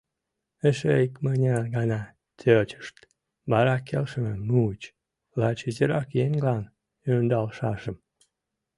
Эше икмыняр гана тӧчышт, вара келшышым муыч — лач изирак еҥлан ӧндалшашым.